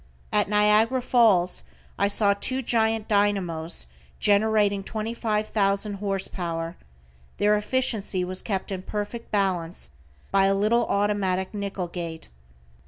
At Niagara Falls I saw two giant dynamos generating twenty five thousand horse power, their efficiency was kept in perfect balance by a little automatic nickle gate.